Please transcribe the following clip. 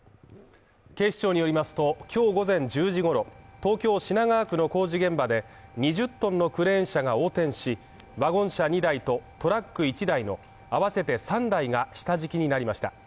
警視庁によりますと、今日午前１０時ごろ、東京品川区の工事現場で２０ｔのクレーン車が横転し、ワゴン車２台とトラック１台のあわせて３台が下敷きになりました。